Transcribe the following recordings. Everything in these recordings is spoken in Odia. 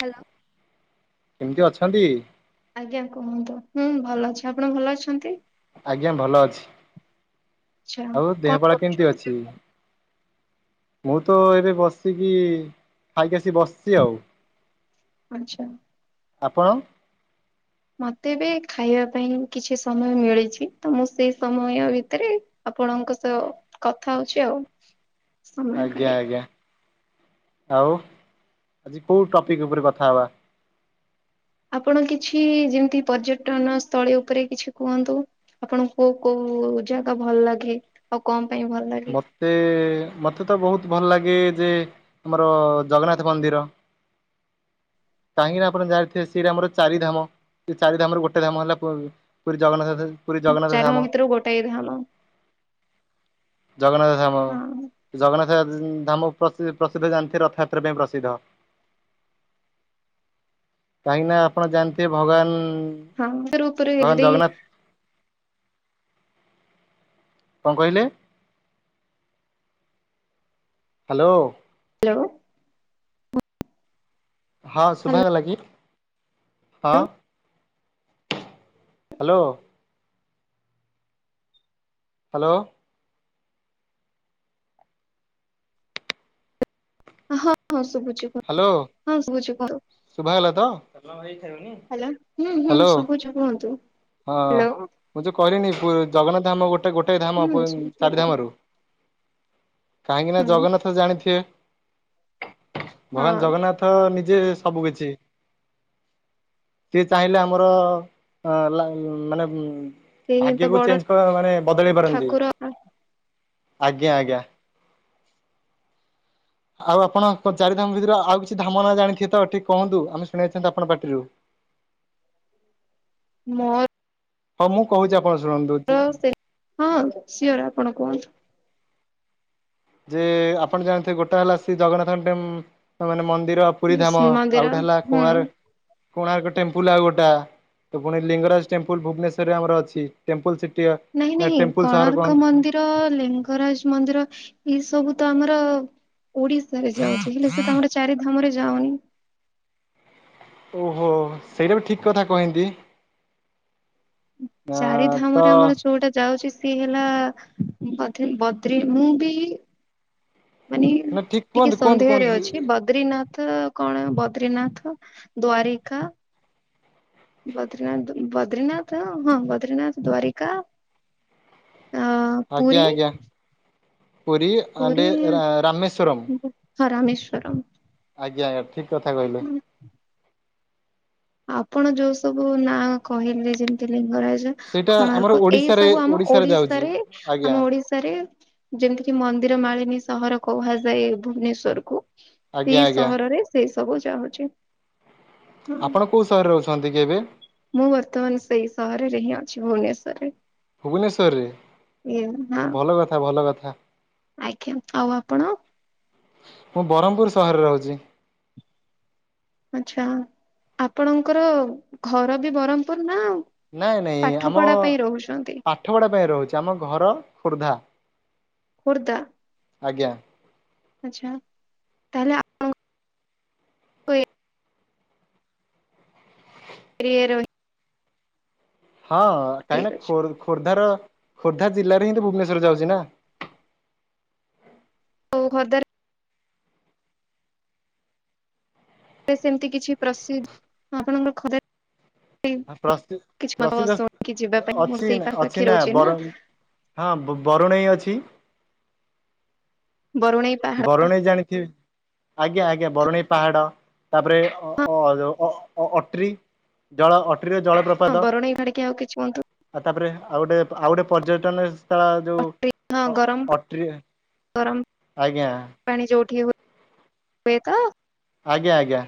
ହାଲୋ। କେମିତି ଅଛନ୍ତି? ଆଜ୍ଞା କୁହନ୍ତୁ ହୁଁ ଭଲ ଅଛି ଆପଣ ଭଲ ଅଛନ୍ତି? ଆଜ୍ଞା ଭଲ ଅଛି। ଆଚ୍ଛା ଆଉ କଣ ଦେହପା କେମିତି କରୁଛନ୍ତି? ଅଛି? ମୁଁ ତ ଏବେ ବସିକି ଖାଇକି ଆସି ବସିଛି ଆଉ। ଆଚ୍ଛା। ଆପଣ? ମତେ ବି ଖାଇବା ପାଇଁ କିଛି ସମୟ ମିଳିଚି। ତ ମୁଁ ସେଇ ସମୟ ଭିତରେ ଆପଣଙ୍କ ସହ କଥା ହଉଛି ଆଉ। ସମୟ ଆଜ୍ଞା କାଢି ଆଜ୍ଞା। ଆଉ ଆଜି କୋଉ ଟପିକ୍ ଉପରେ କଥା ହେବା। ଆପଣ କିଛି ଯେମିତି ପର୍ଯ୍ୟଟନ ସ୍ଥଳୀ ଉପରେ କିଛି କୁହନ୍ତୁ? ଆପଣ କ କୋଉ କୋଉ ଜାଗା ଭଲଲାଗେ ଆଉ କଣ ପାଇଁ ଭଲ ଲାଗେ ମତେ ମତେ ତ ବହୁତ ଭଲଲାଗେ। ଗେ ଯେ ଆମର ଜଗନ୍ନାଥ ମନ୍ଦିର। କାହିଁକି ନା ଆପଣ ଜାଣିଥିବେ ସେରା ଆମର ଚାରି ଧାମ, ସେ ଚାରି ଧାମରୁ ଗୋଟେ ଧାମ ହେଲା ପୁ ପୁରୀ ଜଗନ୍ନାଥ। [inaudible] ଧାମ। ଚାରିଧାମ ଭିତରୁ ଗୋଟାଏ ଧାମ। ଜଗନ୍ନାଥ ଧାମ, ହଁ ଜଗନ୍ନା [inaudible] ଧାମ ପ୍ରସି ପ୍ରସିଦ୍ଧ ଜାଣିଥିବେ ରଥଯାତ୍ରା ପାଇଁ ପ୍ରସିଦ୍ଧ। କାହିଁକି ନା ଆପଣ ଜାଣିଥିବେ ଭଗବାନ ଭଗବାନ ଜଗନ୍ନାଥ [unintelligible] କଣ କହିଲେ? ହ୍ୟାଲୋ। ହ୍ୟାଲୋ। ହଁ ହ୍ୟାଲୋ ଶୁଭାଗଲାଗି, ହଁ। ହ୍ୟାଲୋ। ହ୍ୟାଲୋ। ହଁ ହଁ ଶୁଭୁ ଛି ହ୍ୟାଲୋ ହଁ ଶୁଭୁଛି କୁହନ୍ତୁ, ଶୁଭାଗଲା ତ ହ୍ୟାଲୋ। ହୁଁ-ହୁଁ ହ୍ୟାଲୋ ଶୁଭୁଛି, କୁହନ୍ତୁ। ହଁ ହ୍ୟାଲୋ ମୁଁ ଯେ କହିଲିନି ପୁ ଜଗନ୍ନାଥ ଧାମ ଗୋଟେ ଗୋଟେ ହୁଁ ଧାମ ଶୁଭୁଛି ଚାରି କୁହନ୍ତୁ। ଧାମରୁ। କାହିଁକି ନା ହୁଁ ଜଗନ୍ନାଥ ଜାଣିଥିବେ। ଭଗବାନ ହଁ ଜଗନ୍ନାଥ ନି ଜେ ସବୁ କିଛି, ସିଏ ଚାହିଁଲେ ଆମର ଲା ମାନେ ସେ ହିଁ ତ ଭାଗ୍ୟକୁ ବଡ ଚେଞ୍ଜ୍ କରା ମାନେ ବଦଳେଇ ପାରନ୍ତି। ଠାକୁର ଆଜ୍ଞା ଆଜ୍ଞା। ଆଉ ଆପଣ ତ ଚାରିଧାମ ଭିତରୁ ଆଉ କିଛି ଧାମ ନାଁ ଜାଣିଥିବେ ତ ଟିକେ କୁହନ୍ତୁ ଆମେ ଶୁଣିବାକୁ ଚାହୁଁଛୁ ଆପଣଙ୍କ ପାଟିରୁ। ମୋର୍ ହଁ ମୁଁ କହୁଛି ଆପ୍ [inaudible] ସେ ହଁ ସିଓର୍, ଆପଣ କୁହନ୍ତୁ। ଯେ ଆପଣ ଜାଣିଥିବେ ଗୋଟେ ହେଲା ସେ ଜଗନ୍ନାଥଙ୍କ ଟେ ମାନେ ମନ୍ ମନ୍ଦିର ପୁରୀ ଧାମ ଆଉ ଶ୍ରୀମନ୍ଦିର ଗୋଟେ ହେଲା ହୁଁ କୋଣାର୍କ କୋଣାର୍କ ଟେମ୍ପଲ ଆଉ ଗୋଟା, ତ ପୁଣି ଲିଙ୍ଗରାଜ ଟେମ୍ପଲ ଭୁବନେଶ୍ଵରରେ ଆମର ଅଛି, ଟେମ୍ପଲସି ନାଇଁ ନାଇଁ କୋଣାର୍କ ମନ୍ଦିର ଲିଙ୍ଗରାଜ ମନ୍ଦିର ଏଇ ସବୁ ତ ଆମର ଓଡିଶାରେ ଯାଉଛି ହେଲେ ସେ ତ ଆମର ଚାରି ଧାମରେ ଯାଉନି। [inaudible] ଓହୋଃ, ସେଇଟା ବି ଠିକ୍ କଥା କହିନ୍ତି। ଚାରି ଧାମରେ ଆମର ଯୋଉଟା ଯାଉଛି ସିଏ ହେଲା ବଦ୍ରି ବଦ୍ରି ମୁଁ ବି ମାନେ ନା ଠିକ ଟିକେ କୁହନ୍ତୁ କୁହନ୍ତୁ ସନ୍ଦେହରେ କୁହନ୍ତୁ ଅଛି ବଦ୍ରିନାଥ ନାଥ କଣ ବଦ୍ରିନାଥ ଦ୍ଵାରିକା ବଦ୍ରିନାଥ, ବଦ୍ରିନାଥ ହଁ ବଦ୍ରିନାଥ ଦ୍ଵାରିକା ଅ-ଅ-ଅ ଆଜ୍ଞା ପୁରୀ ଆଜ୍ଞା ପୁରୀ ପୁରୀ ଆଣ୍ଡେ ରାମେଶ୍ୱରମ୍। ହଁ ରାମେଶ୍ୱରମ୍। ଆଜ୍ଞା ଠିକ୍ କଥା କହିଲେ। ଆପଣ ଯୋଉ ସବୁ ନାଁଆ କହିଲେ ଯେମିତି ଲିଙ୍ଗରାଜ୍ ଜ ସେଇଟା ଆମର କୋଣାର୍କ ଏଇ ଓଡିଶାରେ ସବୁ ଆମ ଯାଉଛି ଓଡିଶାରେ ଆଜ୍ଞା ଆମ ଓଡିଶାରେ ଯେମିତିକି ମନ୍ ମନ୍ଦିର ମାଳିନୀ ସହର କୁହାଯାଏ ଭୁବନେଶ୍ଵରକୁ, ଆଜ୍ଞା ସେଇ ଆଜ୍ଞା ସହରରେ ସେ ସବୁ ଯାଉଛି। ଆପଣ କୋଉ ସହରରେ ଅଛନ୍ତି କି ଏବେ? ମୁଁ ବର୍ତ୍ତମାନ ସେଇ ସହରରେ ହିଁ ଅଛି ଭୁବନେଶ୍ଵରରେ। ଭୁବନେଶ୍ଵରରେ, ଏ ହଁ ଭଲ କଥା ଭଲ କଥା। ଆଜ୍ଞା ଆଉ ଆପଣ ମୁଁ ବରମପୁର ସହରରେ ରହୁଛି। ଆଛା ଆପଣଙ୍କର ଘର ବି ବରହମପୁର ନା ଆଉ ନାଇଁ ନାଇଁ ଆମ ଆଠ ଗଡା ପାଇଁ ରହୁଛି ଆମ ଘର ଖୋର୍ଦ୍ଧା। ଖୁର୍ଦ୍ଧା ଆଜ୍ଞା। ଆଚ୍ଛା ତାହଲେ ଆ [unintelligible] [unintelligible] ହଁ କହି ଠିକ ନା ଅଛି ଖୋର ଖୋର୍ଦ୍ଧାର ଖୋର୍ଦ୍ଧା ଜିଲ୍ଲାରେ ହିଁ ତ ଭୁବନେଶ୍ୱର ଯାଉଛି ନା ଖୋର୍ଦ୍ଧା ସେମିତି କିଛି ପ୍ରସିଦ୍ଧ ଆପଣଙ୍କର ଘରେ ପ୍ରସି ପ୍ରସିଦ୍ଧ କି ଯିବା ପାଇଁ ମୁଁ ଅଛି ସେଇ ପାଖାପାଖି ଅଛି ନା ରହୁଛି ବରଂ ହଁ ବ ବ ବରୁଣେଇ ଅଛି। ବରୁଣେଇ ପାହାଡ ବରୁଣେଇ ଜାଣିଥିବେ। ଆଜ୍ଞା ଆଜ୍ଞା ବରୁଣେଇ ପାହାଡ ତାପରେ ଅ ଅ ଅ ଅଟ୍ରି ଜଳ ଅଟ୍ରିରେ ହଁ ଜଳପ୍ରପାତ ବରୁଣେଇ ପାହାଡ କି ଆଉ କିଛି କୁହନ୍ତୁ ଆଉ ତାପରେ ଆଉ ଗୋଟେ ଆଉ ଗୋଟେ ପର୍ଯ୍ୟଟନସ୍ଥଳ ତ ଯୋଉ ଅଟ୍ରି, ହଁ ଅ ଗରମ ଅ ଅଟ୍ରିରେ ଗରମ ପାଣି ଯେଉ ଉଠି ହୁଏ ତ ଆଜ୍ଞା ଆଜ୍ଞା।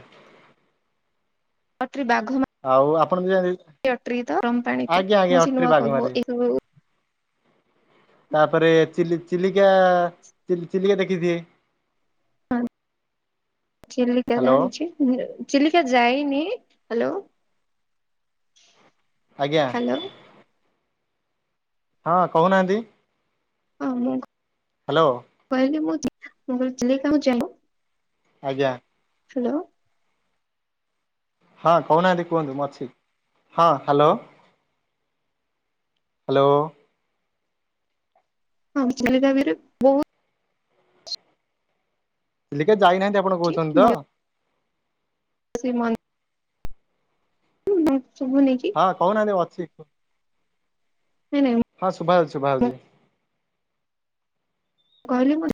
[unintelligible] ବାଘ ଆଉ ଆପଣ ବି ମା ଅଟରି ତ ଆରମ ପାଣି ପାଇଁ ଆଜ୍ଞା ଆଜ୍ଞା ମୁଁସି ନୁ ଅଟ୍ରି ଆ କ ବାଘମାରି ଏକ ତାପରେ ଚି ଚିଲିକା ଚିଲିକା ଦେଖିଥିବେ। ହଁ ସେ ଚିଲିକା ହ୍ୟାଲୋ ଜାଣିଛି ବିର ଚିଲିକା ଯାଇନି ହ୍ୟାଲୋ। ଆଜ୍ଞା। ହ୍ୟାଲୋ ହଁ କହୁନାହାନ୍ତି। ହଁ ମୁଁ ହ୍ୟାଲୋ କହିଲି ମୁ ମୁଁ ଚିଲିକା ମୁଁ ଯାଇନି ଆଜ୍ଞା। ହ୍ୟାଲୋ ହଁ କହୁନାହାନ୍ତି କୁହନ୍ତୁ ମୁଁ ଅଛି ହଁ ହ୍ୟାଲୋ ହ୍ୟାଲୋ। ହଁ ଚିଲିକା ବିରେ ବହୁ ଚିଲିକା ଯାଇନାହାନ୍ତି ଆପଣ କହୁଛନ୍ତି ତ ଶେ ମନ୍ ହୁଁ ହୁଁ ହଁ କହୁନାହାନ୍ତି ଅଛି। ନାଇଁ ନାଇଁ ହଁ ସୁଭା ହେଉଛି ଶୁଭା ମୁଁ ହେଉଛି। କହିଲ ମୁ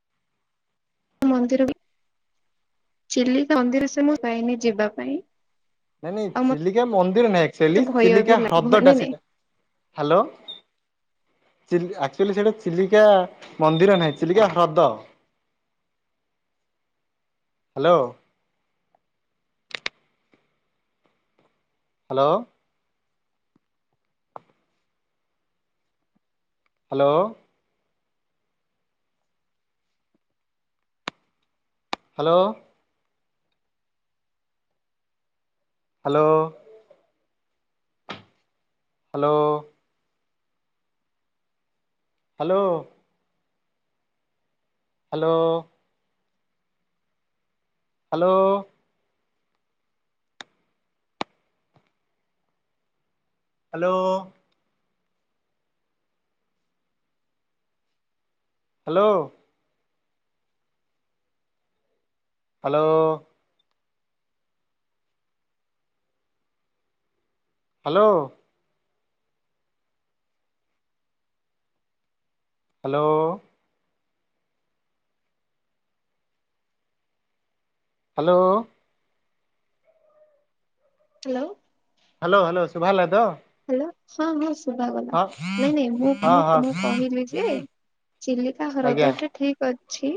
ମନ୍ଦିର ବିଚିଲିକା ମନ୍ଦିର ସେ ମୁଁ ଯାଇନି ଯିବା ପାଇଁ ନାଇଁ ନାଇଁ ଆଉ ଚିଲିକା ମନ୍ଦିର ନାଇଁ ଆକୋଚ୍ଚୋଲି ମତେ ଭୟ ଚିଲିକା ବି ଲାଗେ ହ୍ରଦ ଟା ନାଇଁ ନାଇଁ ସେଇଟା। ହ୍ୟାଲୋ ଚିଲିଆକ୍ଚୁଲି ସେଇଟା ଚିଲିକା ମନ୍ଦିର ନାହିଁ ଚିଲିକା ହ୍ରଦ। Hello hello hello. Hello hello. Hello hello hello. Hello. Hello. Hello. Hello. Hello. Hello. Hello. Hello. Hello hello ସୁଭାହେଲା ତ। ହଁ ହ୍ୟାଲୋ ହଁ ଶୁଭ ଗଲା ହଁ ନାଇଁ ନାଇଁ ମୁଁ ହଁ ମୁ ହଁ ମୁଁ କହିଲି ଯେ। ଚିଲିକା ଆଜ୍ଞା ହ୍ରଦ ଟେ ଠିକ୍ ଅ ଅଛି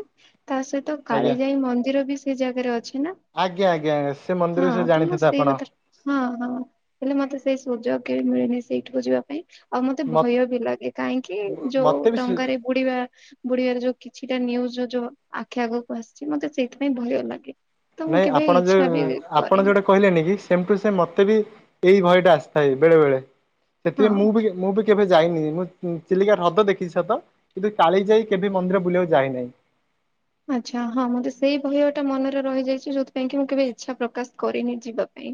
ତା ସହିତ ଆଜ୍ଞା। କାଳିଜାଇ ମନ୍ଦିର ବି ସେ ଜାଗାରେ ଅ କିନା ଆଜ୍ଞା ଆଜ୍ଞା ଆଜ୍ଞା ସେ ମନ୍ଦିର ବିଷୟରେ ହଁ ତ ମୁଁ ଜାଣିଥିବେ ସେଇ ଆପଣ। କଥା ହଁ ହଁ ହେଲେ ମତେ ସେଇ ସୁଯୋଗ କେବେ ମିଳିନି ସେଇଠିକୁ ଯିବା ପାଇଁ। ଆଉ ମତେ ଭୟ ବି ଲାଗେ କାହିଁକି ଯୋଉ ମତେ ବି ଡଙ୍ଗାରେ ବୁଡ଼ିବା ବୁଢିବାରେ ଯୋଉ କିଛିଟା ନିୟୁଜ୍ ଯୋଉ ଆଖି ଆଗକୁ ଆସିଚି ମତେ ସେଇଥିପାଇଁ ଭୟ ଲାଗେ। ତ ମୁଁ ନାଇଁ କେବେ ଆପଣ ଯୋଉ ଇଚ୍ଛା ବି ଆପଣ କରେନି ଯୋଉଟା କହିଲେନି କି ସେମ୍ ଟୁ ସେମ୍ ମତେ ବି ଏଇ ଭୟ ଟା ଆସିଥାଏ ବେଳେ ବେଳେ ହଁ ସେଥିପାଇଁ ମୁଁ ବି ମୁଁ ବି କେବେ ଯାଇନି ମୁଁ ଚିଲିକା ହ୍ରଦ ଦେଖିଛି ସତ କିନ୍ତୁ କାଳି ଯାଇ କେବେ ମନ୍ଦିର ବୁଲିବାକୁ ଯାଇନାହିଁ। [inaudible] ଆଚ୍ଛା ହଁ ମୋତେ ସେଇ ଭୟ ଟା ମନରେ ରହିଯାଇଛି ଯୋଉଥିପାଇଁ କି ମୁଁ କେବେ ଇଚ୍ଛା ପ୍ରକାଶ କରିନି ଯିବା ପାଇଁ।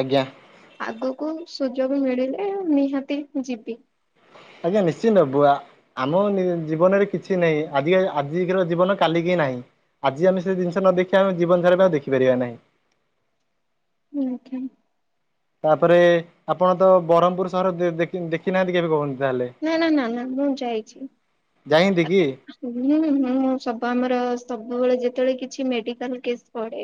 ଆଜ୍ଞା। ଆଗକୁ ସୁଯୋଗ ମିଳିଲେ ନିହାତି ଯିବି। ଆଜ୍ଞା ନିଶ୍ଚିନ୍ତବୁଆ ଆମ ଜୀବନରେ କିଛି ନାହିଁ ଆଜି ଆଜିର ଜୀବନ କାଲିିକି ନାହିଁ ଆଜି ଆମେ ସେ ଜିନିଷ ନ ଦେଖିବା ଆମେ ଜୀବନ ସାରା ଆଉ ଦେଖିପାରିବା ନାହିଁ। ଉହୁଁ। ତାପରେ ଆପଣ ତ ବ୍ରହ୍ମପୁର ସହର ଦେଖିନାହାନ୍ତି କେବେ କୁହ ନା ନା ନା ନା ମୁଁ ଯାଇଚି। ଯାଇନ୍ତି କି ହୁଁ ହୁଁ ସବୁ ଆମର ସେ ସବୁବେଳେ ଯେତେବେଳେ କିଛି ମେଡିକାଲ୍ କେସ୍ ପଡ଼େ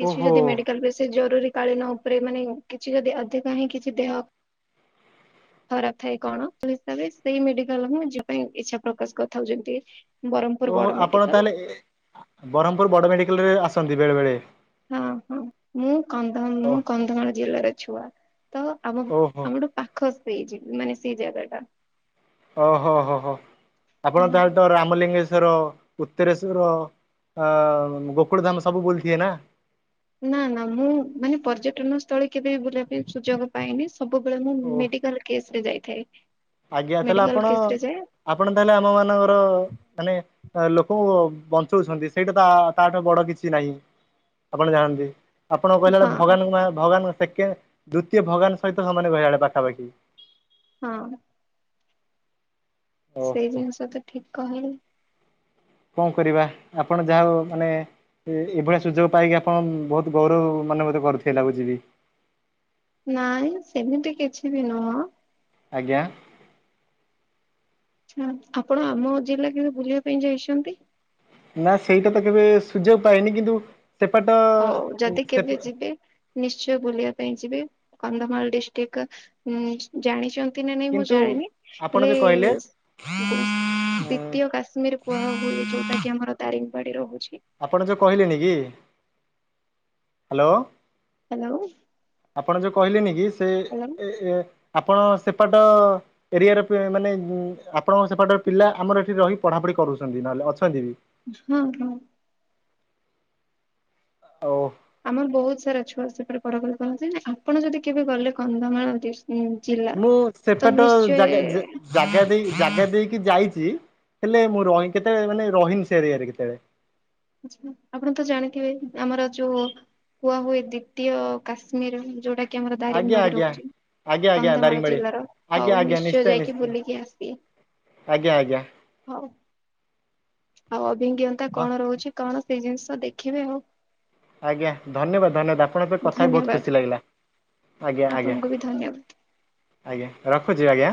କିଛି ଯଦି ମେଡିକାଲ ବେସିକ୍ ଜରୁରୀ କାଳୀନ ଉପରେ ମାନେ କିଛି ଯଦି ଅଧିକ ହିଁ କିଛି ଦେହ ଖରାପ ଥାଏ କଣ ତ ହିସାବରେ ସେଇ ମେଡିକାଲ୍ ମୁଁ ଯିବା ପାଇଁ ଇଛା ପ୍ରକାଶ କଥାକୁ ଯେମିତି ଓଃ ବଡ ଆପଣ ମେଡିକାଲ ତାହେଲେ ଏ ବ୍ରହ୍ମପୁର ବଡ଼ ମେଡିକାଲରେ ଆସନ୍ତି ବେଳେ ବେଳେ। ହଁ ହଁ ମୁଁ କନ୍ଧ ମୁଁ କନ୍ଧମାଳ ଜିଲ୍ଲାର ଛୁଆ। ତ ଆମ ଓହୋ ଆମଠୁ ପାଖ ହେଇଛି ମାନେ ସେଇ ଜାଗା ଟା। ଓ ହୋ ହୋ ହୋ ଆପଣ ହଁ। ତାହେଲେ ତ ରାମଲିଙ୍ଗେଶ ର ଉତ୍ତରେଶ୍ଵର ଆ ଗୋକୁଳ ଧାମ ସବୁ ବୁଲିଥିବେ ନା? ନା ନା ମୁଁ ମାନେ ପର୍ଯ୍ୟଟନ ସ୍ଥଳୀ କେବେ ବୁଲିବା ପାଇଁ ସୁଯୋଗ ପାଇନି। ସବୁବେଳେ ମୁଁ ଓ ମେଡିକାଲ୍ କେସ୍ ରେ ଯାଇଥାଏ। ଆଜ୍ଞା ତାହେଲେ ମେଡିକାଲ ଆପଣ କେସ୍ ରେ ଯାଏ ଆପଣ ତାହେଲେ ଆମ ମାନଙ୍କର ମାନେ ଆଁ ଲୋକଙ୍କୁ ବଞ୍ଚଉଛନ୍ତି ସେଇଟା ତା ତାଠୁ ବଡ଼ କିଛି ନାହିଁ ଆପଣ ଜାଣନ୍ତି। ଆପଣ କହିଲା ଭଳିଆ ହଁ ଭଗବାନ ଙ୍କୁ ମା ଭଗବାନ ଦେଖି ଦ୍ଵିତୀୟ ଭଗବାନ ସହିତ ସମାନ ବେଳେବେଳେ ପାଖାପାଖି। ହଁ। ସେଇ ଓହୋ ଜିନିଷ ତ ଠିକ୍ କହିଲେ। କଣ କରିବା ଆପଣ ଯା ହେଉ ମାନେ ଏଇ ଏଇଭଳିଆ ସୁଯୋଗ ପାଇକି ଆପଣ ବହୁତ୍ ଗୌରବ ମନବୋଧ କରୁଥିବେ ଲାଗୁଚି ବି। ନାଇଁ ସେମିତି କିଛି ବି ନୁହଁ। ଆଜ୍ଞା। ହୁଁ। ଆପଣ ଆମ ଜିଲ୍ଲା କେବେ ବୁଲିବା ପାଇଁ ଯାଇଛନ୍ତି? ନା ସେଇଟା ତ କେବେ ସୁଯୋଗ ପାଇନି କିନ୍ତୁ ସେପାଟ ହଉ ଯଦି ସେ କେବେ ଯିବେ ନିଶ୍ଚୟ ବୁଲିବାକୁ ପାଇଁ ଯିବେ କନ୍ଧମାଳ ଡିଷ୍ଟିକ ଉଁ ଜାଣିଛନ୍? ନ୍ତି ନା ନାଇଁ ମୁଁ କିନ୍ତୁ ଜାଣିନି ଆପଣ ହେଲେ ଯୋଉ କହିଲେ [unintelligible] ଉଁ ଦ୍ଵିତୀୟ କାଶ୍ମୀର କୁହା ହୁଏ। ଯୋଉଟା କି ଆମର ଦାରିଙ୍ଗବାଡି ରହୁଛି। ଆପଣ ଯୋଉ କହିଲେନି କି ହାଲୋ ହାଲୋ। ଆପଣ ଯୋଉ କହିଲେନି କି ସେ ଏ ଏ ଆପଣ ସେପାଟ ଏରିଆରେ ପି ମାନେ ଆପଣ ସେପାଟର ପିଲା ଆମର ଏଠି ରହି ପଢାପଢି କରୁଛନ୍ତି। ନହେଲେ ଅଛନ୍ତି ବି ହୁଁ ହୁଁ। ଓ। ଆମର ବହୁତ ସାରା ଛୁଆ ସେପଟେ ପଢ଼ାପଢ଼ି କରନ୍ତି। ଆପଣ ଯଦି କେବେ ଗଲେ କନ୍ଧମାଳ ଡିଷ୍ଟ ମୁଁ ସେପଟ ଜାଗା ଜା ଜାଗା ଦେଇି ଜାଗା ଦେଇ କି ଯାଇଚି ହେଲେ ମୁଁ ରହି କେତେ ମାନେ ରହିନି ସେ ଏରିଆ ରେ କେତେବେଳେ। ଆଛା ଆପଣ ତ ଜାଣିଥିବେ ଆମର ଯୋଉ କୁଆ ହୁଏ ଦ୍ଵିତୀୟ କାଶ୍ମୀର ଯୋଉଟା କି ଆମର ଦାରିଙ୍ଗ ଆଜ୍ଞା ବାଡି ଆଜ୍ଞା। ରହୁଚି। ଆଜ୍ଞା ଆଜ୍ଞା କନ୍ଧମାଳ ଦାରିଙ୍ଗବାଡ଼ି ଜିଲ୍ଲାର ହଉ ନିଶ୍ଚୟ ଯାଇକି ବୁଲିକି ଆସିବେ। ଆଜ୍ଞା ଆଜ୍ଞା। ହଉ ଆଉ ଅଭିଜ୍ଞତା ହଁ କଣ ରହୁଚି କଣ ସେଇ ଜିନିଷ ଦେଖିବେ ଆଉ। ଆଜ୍ଞା ଧନ୍ୟବାଦ ଧନ୍ୟବାଦ ଆପଣପେଇ କଥା ହେଇ ବହୁତ ଧନ୍ୟବାଦ ଖୁସି ଲାଗିଲା। ଆଜ୍ଞା ଆଜ୍ଞା ଆପଣଙ୍କୁ ବି ଧନ୍ୟବାଦ। ଆଜ୍ଞା ରଖୁଚି ଆଜ୍ଞା।